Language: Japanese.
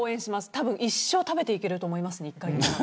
たぶん一生食べていけると思います。